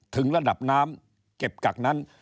ถึงระดับน้ำเก็บกักนั้น